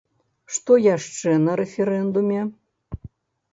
Што яшчэ на рэферэндуме?